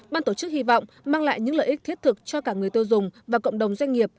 ban tổ chức hy vọng mang lại những lợi ích thiết thực cho cả người tiêu dùng và cộng đồng doanh nghiệp